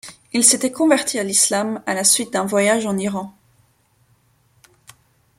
Il s’était converti à l’islam à la suite d’un voyage en Iran.